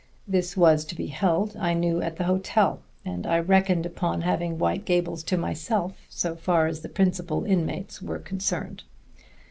This was to be held, I knew, at the hotel, and I reckoned upon having White Gables to myself so far as the principal inmates were concerned.